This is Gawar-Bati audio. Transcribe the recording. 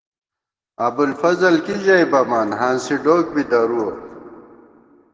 ابُوالفضل کی ژَئی بَمان، ہانسی ڈوک بی درُوَہ